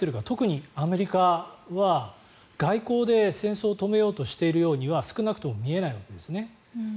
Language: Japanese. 特にアメリカは外交で戦争を止めようとしているようには少なくとも見えないわけですね。